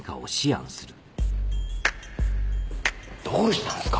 どうしたんすか！